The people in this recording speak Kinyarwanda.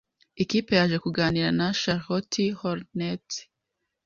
ikipe yaje kuganira na Charlotte Hornets